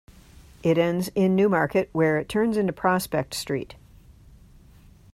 It ends in Newmarket where it turns into Prospect Street.